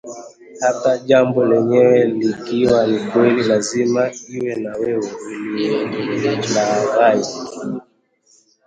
Hata jambo lenyewe likiwa ni kweli, lazima iwe ni wewe uliyemlaghai